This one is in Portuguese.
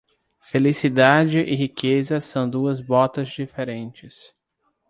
Felicidade e riqueza são duas botas diferentes.